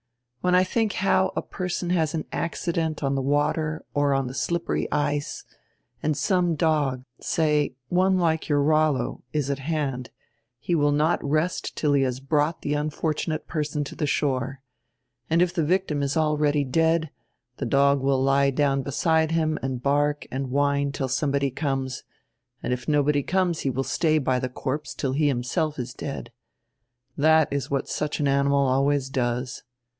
When I think how a person has an accident on die water or on die slippery ice, and some dog, say, one like your Rollo, is at hand, he will not rest till he has brought die unfortu nate person to the shore. And if die victim is already dead, die dog will lie down beside him and bark and whine till somebody conies, and if nobody conies he will stay by die corpse till he himself is dead. That is what such an animal always does.